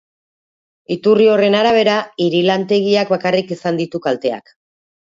Iturri horren arabera, irin-lantegiak bakarrik izan ditu kalteak.